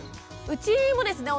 うちもですね